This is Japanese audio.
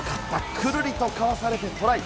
くるりとかわされてトライ。